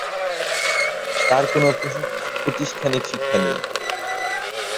তাঁর কোনো প্রাতিষ্ঠানিক শিক্ষা নেই।